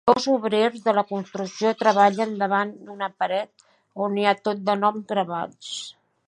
Dos obrers de la construcció treballen davant d'una paret on hi ha tot de noms gravats